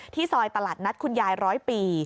ซอยตลาดนัดคุณยายร้อยปี